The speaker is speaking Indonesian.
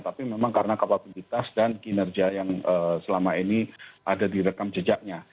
tapi memang karena kapabilitas dan kinerja yang selama ini ada di rekam jejaknya